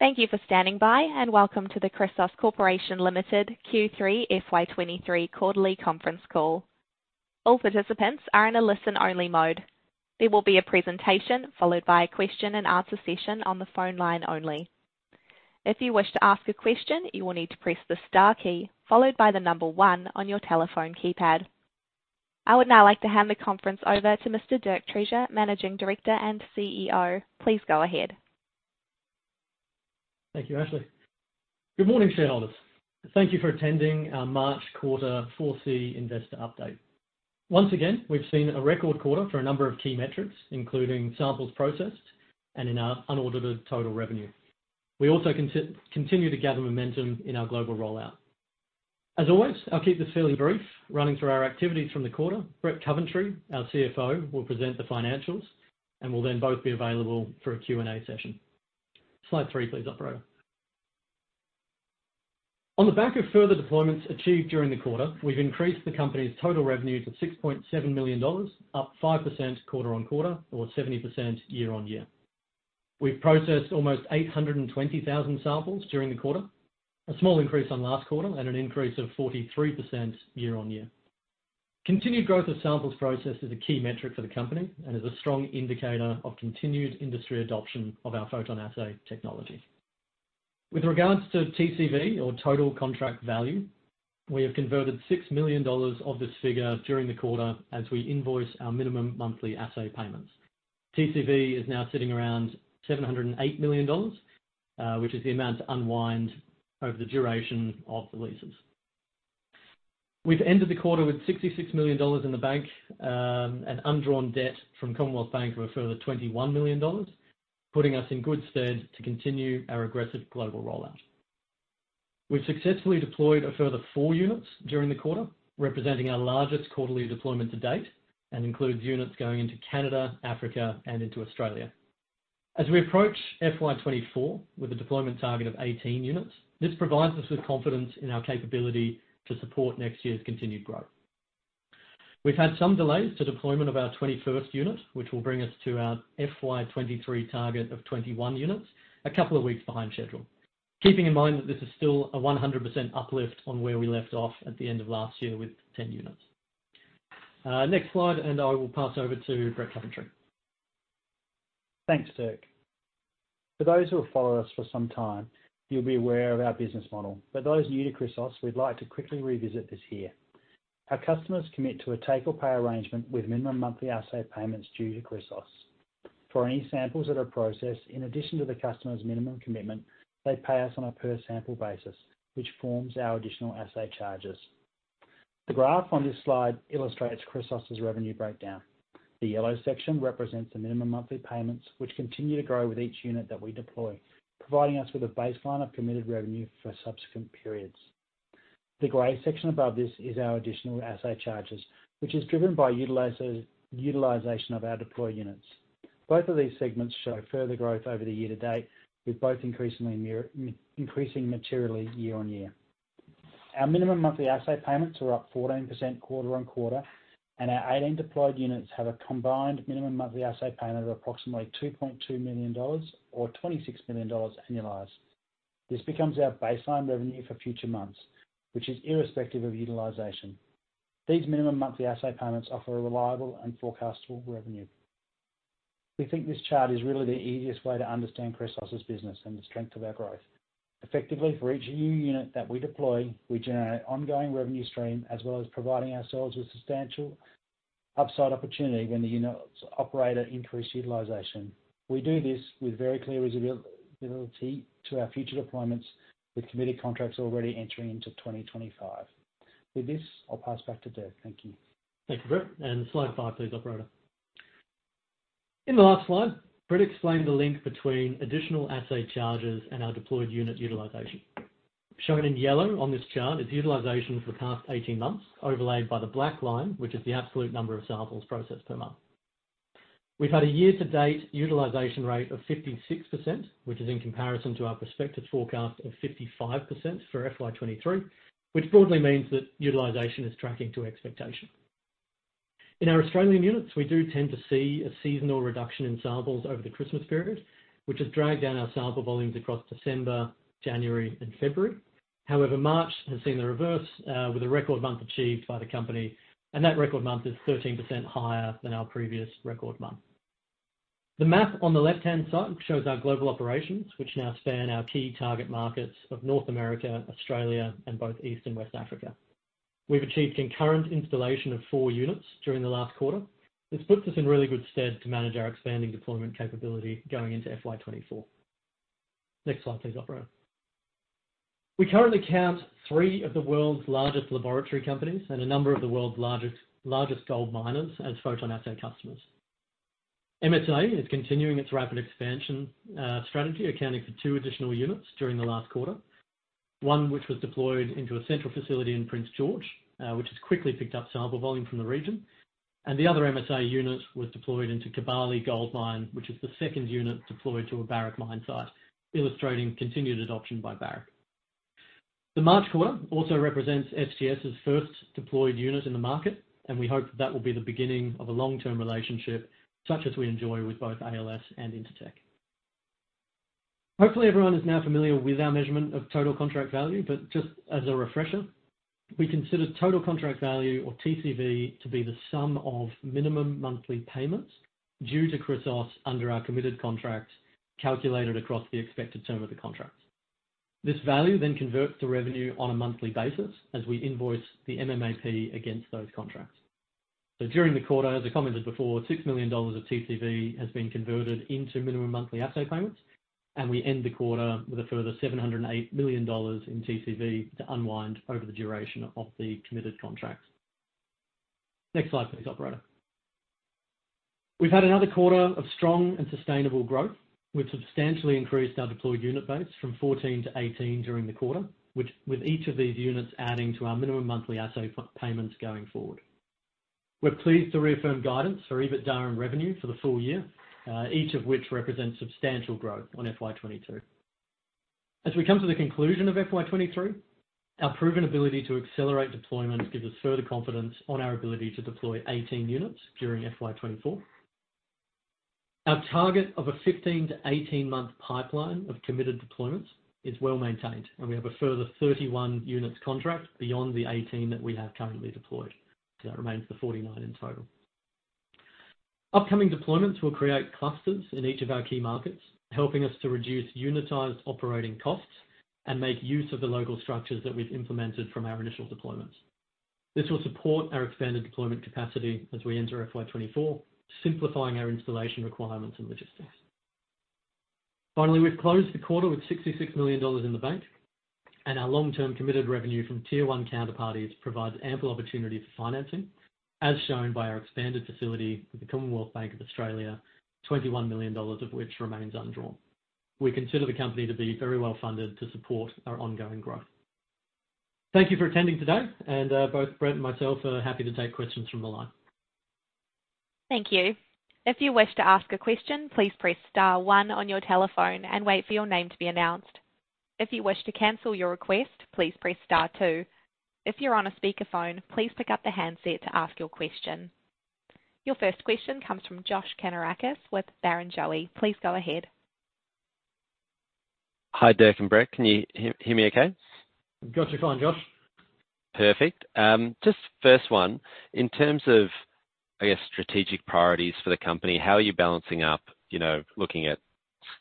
Thank you for standing by, and welcome to the Chrysos Corporation Limited Q3 FY 2023 quarterly conference call. All participants are in a listen-only mode. There will be a presentation followed by a question-and-answer session on the phone line only. If you wish to ask a question, you will need to press the star key followed by the number one on your telephone keypad. I would now like to hand the conference over to Mr. Dirk Treasure, Managing Director and CEO. Please go ahead. Thank you, Ashley. Good morning, shareholders. Thank you for attending our March quarter 4C investor update. Once again, we've seen a record quarter for a number of key metrics, including samples processed and in our unaudited total revenue. We also continue to gather momentum in our global rollout. As always, I'll keep this fairly brief, running through our activities from the quarter. Brett Coventry, our CFO, will present the financials. We'll then both be available for a Q&A session. Slide three, please, operator. On the back of further deployments achieved during the quarter, we've increased the company's total revenues of 6.7 million dollars, up 5% quarter-on-quarter or 70% year-on-year. We've processed almost 820,000 samples during the quarter, a small increase on last quarter and an increase of 43% year-on-year. Continued growth of samples processed is a key metric for the company and is a strong indicator of continued industry adoption of our PhotonAssay technology. With regards to TCV or total contract value, we have converted 6 million dollars of this figure during the quarter as we invoice our minimum monthly assay payments. TCV is now sitting around 708 million dollars, which is the amount to unwind over the duration of the leases. We've ended the quarter with 66 million dollars in the bank, and undrawn debt from Commonwealth Bank of a further 21 million dollars, putting us in good stead to continue our aggressive global rollout. We've successfully deployed a further four units during the quarter, representing our largest quarterly deployment to date. Includes units going into Canada, Africa, and into Australia. As we approach FY 2024 with a deployment target of 18 units, this provides us with confidence in our capability to support next year's continued growth. We've had some delays to deployment of our 21st unit, which will bring us to our FY 2023 target of 21 units a couple of weeks behind schedule. Keeping in mind that this is still a 100% uplift on where we left off at the end of last year with 10 units. Next slide, I will pass over to Brett Coventry. Thanks, Dirk. For those who have followed us for some time, you'll be aware of our business model. For those new to Chrysos, we'd like to quickly revisit this here. Our customers commit to a take-or-pay arrangement with minimum monthly assay payments due to Chrysos. For any samples that are processed, in addition to the customer's minimum commitment, they pay us on a per sample basis, which forms our additional assay charges. The graph on this slide illustrates Chrysos' revenue breakdown. The yellow section represents the minimum monthly payments, which continue to grow with each unit that we deploy, providing us with a baseline of committed revenue for subsequent periods. The gray section above this is our additional assay charges, which is driven by utilization of our deployed units. Both of these segments show further growth over the year to date, with both increasingly increasing materially year on year. Our minimum monthly assay payments are up 14% quarter-on-quarter, and our 18 deployed units have a combined minimum monthly assay payment of approximately 2.2 million dollars or 26 million dollars annualized. This becomes our baseline revenue for future months, which is irrespective of utilization. These minimum monthly assay payments offer a reliable and forecastable revenue. We think this chart is really the easiest way to understand Chrysos' business and the strength of our growth. Effectively, for each new unit that we deploy, we generate ongoing revenue stream as well as providing ourselves with substantial upside opportunity when the units operate at increased utilization. We do this with very clear visibility to our future deployments, with committed contracts already entering into 2025. I'll pass back to Dirk. Thank you. Thank you, Brett. Slide five, please, operator. In the last slide, Brett explained the link between additional assay charges and our deployed unit utilization. Shown in yellow on this chart is utilization for the past 18 months, overlaid by the black line, which is the absolute number of samples processed per month. We've had a year-to-date utilization rate of 56%, which is in comparison to our prospective forecast of 55% for FY 2023, which broadly means that utilization is tracking to expectation. In our Australian units, we do tend to see a seasonal reduction in samples over the Christmas period, which has dragged down our sample volumes across December, January, and February. However, March has seen the reverse, with a record month achieved by the company, and that record month is 13% higher than our previous record month. The map on the left-hand side shows our global operations, which now span our key target markets of North America, Australia, and both East and West Africa. We've achieved concurrent installation of 4 units during the last quarter. This puts us in really good stead to manage our expanding deployment capability going into FY 2024. Next slide, please, operator. We currently count three of the world's largest laboratory companies and a number of the world's largest gold miners as PhotonAssay customers. MSALABS is continuing its rapid expansion strategy, accounting for two additional units during the last quarter. One which was deployed into a central facility in Prince George, which has quickly picked up sample volume from the region. The other MSALABS unit was deployed into Kibali Gold Mine, which is the second unit deployed to a Barrick mine site, illustrating continued adoption by Barrick. The March quarter also represents SGS's first deployed unit in the market, and we hope that will be the beginning of a long-term relationship such as we enjoy with both ALS and Intertek. Hopefully, everyone is now familiar with our measurement of total contract value, just as a refresher, we consider total contract value, or TCV, to be the sum of minimum monthly payments due to Chrysos under our committed contracts, calculated across the expected term of the contract. This value then converts to revenue on a monthly basis as we invoice the MMAP against those contracts. During the quarter, as I commented before, 6 million dollars of TCV has been converted into minimum monthly assay payments, and we end the quarter with a further 708 million dollars in TCV to unwind over the duration of the committed contracts. Next slide, please, operator. We've had another quarter of strong and sustainable growth. We've substantially increased our deployed unit base from 14 to 18 during the quarter, with each of these units adding to our minimum monthly assay payments going forward. We're pleased to reaffirm guidance for EBITDA and revenue for the full-year, each of which represents substantial growth on FY 2022. As we come to the conclusion of FY 2023, our proven ability to accelerate deployment gives us further confidence on our ability to deploy 18 units during FY 2024. Our target of a 15 to 18-month pipeline of committed deployments is well-maintained, and we have a further 31 units contract beyond the 18 that we have currently deployed. That remains the 49 in total. Upcoming deployments will create clusters in each of our key markets, helping us to reduce unitized operating costs and make use of the local structures that we've implemented from our initial deployments. This will support our expanded deployment capacity as we enter FY 2024, simplifying our installation requirements and logistics. Finally, we've closed the quarter with 66 million dollars in the bank, and our long-term committed revenue from tier one counterparties provides ample opportunity for financing, as shown by our expanded facility with the Commonwealth Bank of Australia, 21 million dollars of which remains undrawn. We consider the company to be very well funded to support our ongoing growth. Thank you for attending today. Both Brett and myself are happy to take questions from the line. Thank you. If you wish to ask a question, please press star one on your telephone and wait for your name to be announced. If you wish to cancel your request, please press star two. If you're on a speakerphone, please pick up the handset to ask your question. Your first question comes from Josh Kannourakis with Barrenjoey. Please go ahead. Hi, Dirk and Brett. Can you hear me okay? Got you fine, Josh. Perfect. Just first one. In terms of, I guess, strategic priorities for the company, how are you balancing up, you know, looking at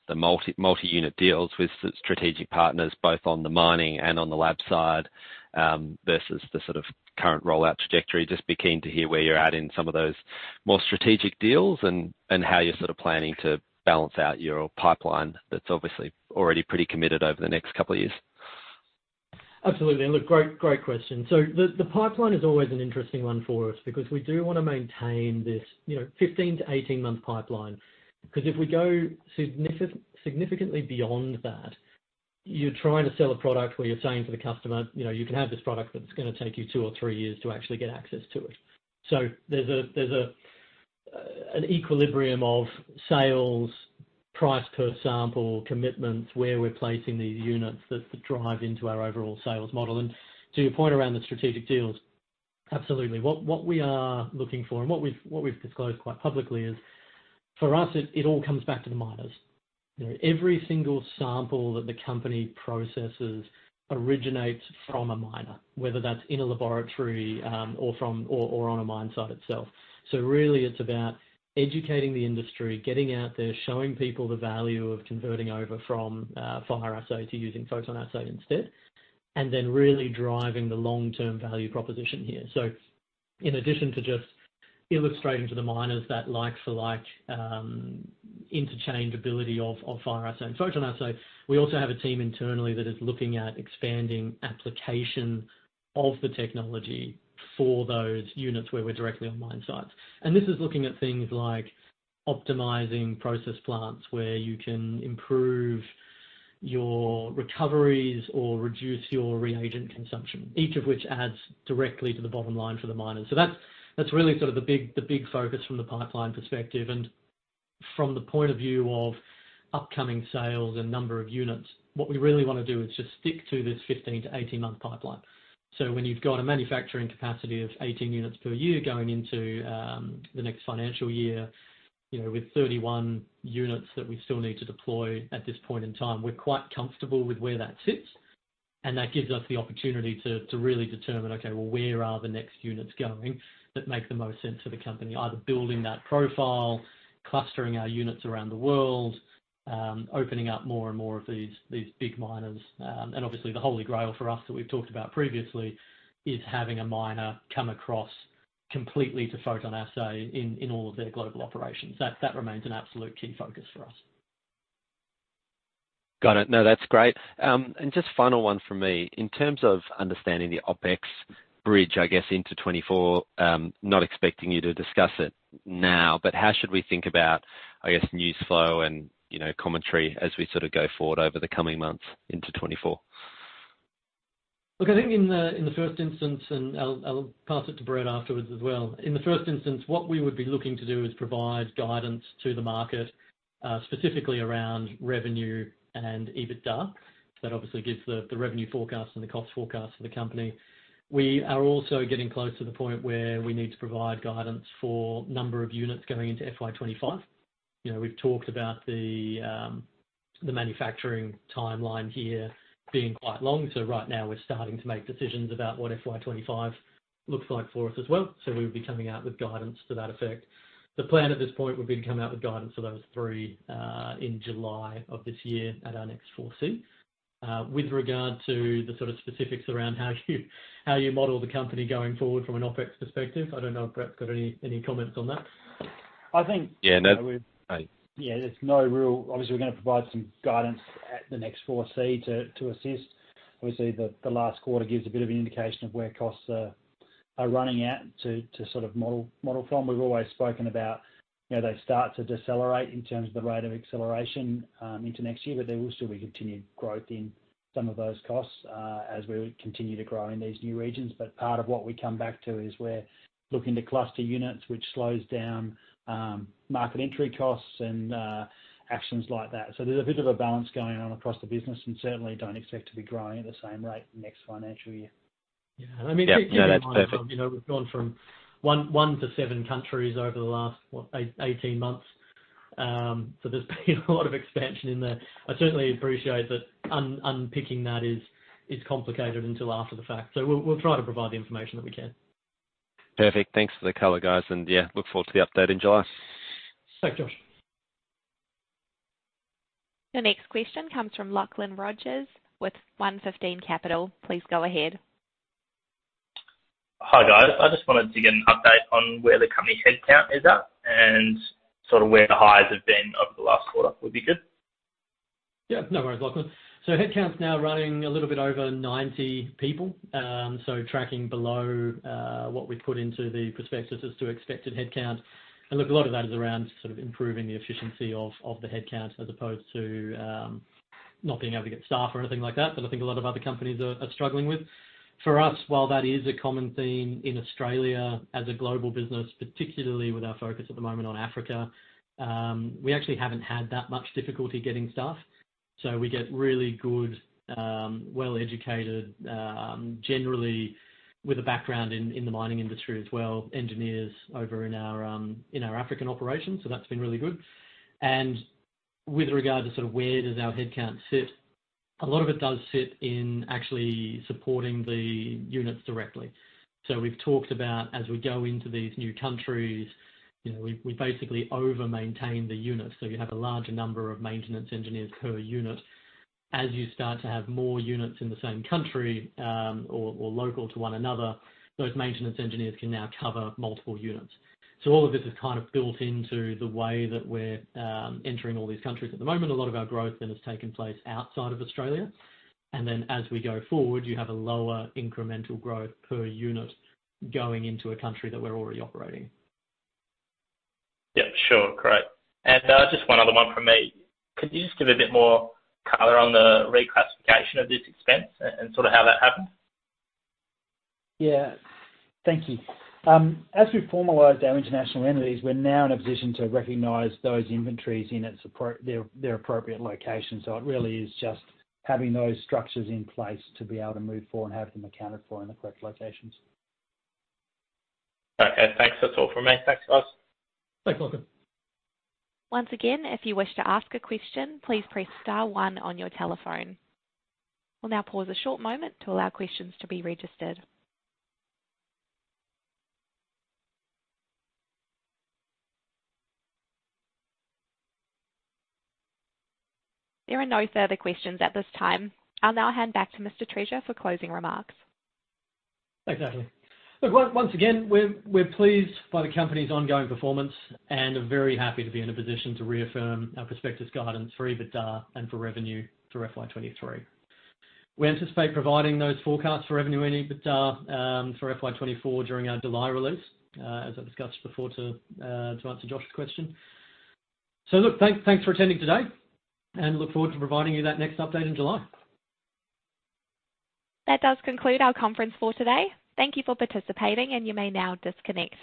the multi-unit deals with strategic partners, both on the mining and on the lab side, versus the sort of current rollout trajectory? Just be keen to hear where you're at in some of those more strategic deals and how you're sort of planning to balance out your pipeline that's obviously already pretty committed over the next couple of years. Absolutely. Look, great question. The pipeline is always an interesting one for us because we do wanna maintain this, you know, 15-18 month pipeline. If we go significantly beyond that, you're trying to sell a product where you're saying to the customer, you know, "You can have this product, but it's gonna take you two or three years to actually get access to it." There's a, an equilibrium of sales, price per sample, commitments, where we're placing these units that drive into our overall sales model. To your point around the strategic deals, absolutely. What we are looking for and what we've disclosed quite publicly is, for us, it all comes back to the miners. You know, every single sample that the company processes originates from a miner, whether that's in a laboratory, or on a mine site itself. Really it's about educating the industry, getting out there, showing people the value of converting over from fire assay to using PhotonAssay instead, and then really driving the long-term value proposition here. In addition to just illustrating to the miners that like for like interchangeability of fire assay and PhotonAssay, we also have a team internally that is looking at expanding application of the technology for those units where we're directly on mine sites. This is looking at things like optimizing process plants where you can improve your recoveries or reduce your reagent consumption, each of which adds directly to the bottom line for the miners. That's really sort of the big, the big focus from the pipeline perspective. From the point of view of upcoming sales and number of units, what we really wanna do is just stick to this 15-18 month pipeline. When you've got a manufacturing capacity of 18 units per year going into the next financial year, you know, with 31 units that we still need to deploy at this point in time, we're quite comfortable with where that sits, and that gives us the opportunity to really determine, okay, well, where are the next units going that make the most sense for the company? Either building that profile, clustering our units around the world, opening up more and more of these big miners. Obviously, the holy grail for us that we've talked about previously is having a miner come across completely to PhotonAssay in all of their global operations. That remains an absolute key focus for us. Got it. No, that's great. Just final one from me. In terms of understanding the OpEx bridge, I guess, into 2024, not expecting you to discuss it now, but how should we think about, I guess, news flow and, you know, commentary as we sort of go forward over the coming months into 2024? Look, I think in the first instance, and I'll pass it to Brett afterwards as well. In the first instance, what we would be looking to do is provide guidance to the market, specifically around revenue and EBITDA. That obviously gives the revenue forecast and the cost forecast for the company. We are also getting close to the point where we need to provide guidance for number of units going into FY 2025. You know, we've talked about the manufacturing timeline here being quite long. Right now we're starting to make decisions about what FY 2025 looks like for us as well. We'll be coming out with guidance to that effect. The plan at this point would be to come out with guidance for those three in July of this year at our next 4C. With regard to the sort of specifics around how you model the company going forward from an OpEx perspective, I don't know if Brett's got any comments on that. I think- Yeah, no. There's no real. Obviously we're gonna provide some guidance at the next 4C to assist. Obviously, the last quarter gives a bit of an indication of where costs are running at to sort of model from. We've always spoken about, you know, they start to decelerate in terms of the rate of acceleration into next year, but there will still be continued growth in some of those costs as we continue to grow in these new regions. Part of what we come back to is we're looking to cluster units, which slows down market entry costs and actions like that. There's a bit of a balance going on across the business, and certainly don't expect to be growing at the same rate next financial year. Yeah. I mean. Yeah. No, that's perfect. You know, we've gone from one to seven countries over the last, what, 18 months. There's been a lot of expansion in there. I certainly appreciate that unpicking that is complicated until after the fact. We'll try to provide the information that we can. Perfect. Thanks for the color, guys. Yeah, look forward to the update in July. Thanks, Josh. The next question comes from Lachlan Rogers with One Fifteen Capital. Please go ahead. Hi, guys. I just wanted to get an update on where the company headcount is at and sort of where the hires have been over the last quarter would be good. Yeah, no worries, Lachlan. Headcount's now running a little bit over 90 people. Tracking below what we put into the prospectus as to expected headcount. Look, a lot of that is around sort of improving the efficiency of the headcount as opposed to not being able to get staff or anything like that I think a lot of other companies are struggling with. For us, while that is a common theme in Australia as a global business, particularly with our focus at the moment on Africa, we actually haven't had that much difficulty getting staff. We get really good, well-educated, generally with a background in the mining industry as well, engineers over in our African operations. That's been really good. With regard to sort of where does our headcount sit, a lot of it does sit in actually supporting the units directly. We've talked about as we go into these new countries, you know, we basically over-maintain the units. You have a larger number of maintenance engineers per unit. As you start to have more units in the same country, or local to one another, those maintenance engineers can now cover multiple units. All of this is kind of built into the way that we're entering all these countries at the moment. A lot of our growth then has taken place outside of Australia. As we go forward, you have a lower incremental growth per unit going into a country that we're already operating. Yeah, sure. Great. Just one other one from me. Could you just give a bit more color on the reclassification of this expense and sort of how that happened? Yeah. Thank you. As we formalize our international entities, we're now in a position to recognize those inventories in their appropriate location. It really is just having those structures in place to be able to move forward and have them accounted for in the correct locations. Okay, thanks. That's all from me. Thanks, guys. Thanks, Lachlan. Once again, if you wish to ask a question, please press star 1 on your telephone. We'll now pause a short moment to allow questions to be registered. There are no further questions at this time. I'll now hand back to Mr. Treasure for closing remarks. Thanks, Natalie. Look, once again, we're pleased by the company's ongoing performance and are very happy to be in a position to reaffirm our prospectus guidance for EBITDA and for revenue for FY 2023. We anticipate providing those forecasts for revenue and EBITDA for FY 2024 during our July release, as I discussed before to answer Josh's question. Look, thanks for attending today and look forward to providing you that next update in July. That does conclude our conference for today. Thank you for participating, and you may now disconnect.